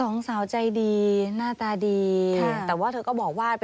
ในกรณีของพ่อ